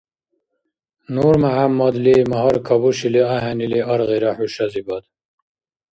НурмяхӀямадли магьар кабушили ахӀен или аргъира хӀушазибад?